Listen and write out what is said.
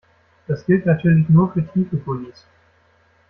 Das gilt natürlich nur für tiefe Gullys.